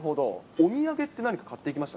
お土産って何か買っていきました？